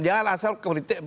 jangan asal kritik